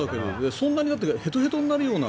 そんなにヘトヘトになるような。